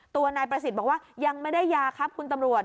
ตัวนายประสิทธิ์บอกว่ายังไม่ได้ยาครับคุณตำรวจ